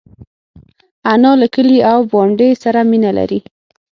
انا له کلي او بانډې سره مینه لري